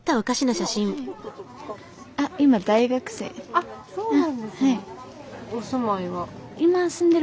あっそうなんですね。